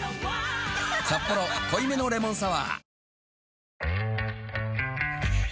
「サッポロ濃いめのレモンサワー」